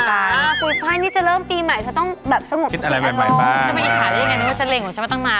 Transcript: จะไปอิฉาได้ยังไงนึกว่าเฉล่งของฉันไม่ตั้งนาน